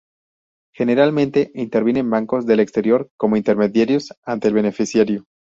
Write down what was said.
Generalmente intervienen bancos del exterior como intermediarios ante el beneficiario.